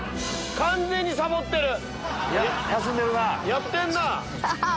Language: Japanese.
やってんなぁ！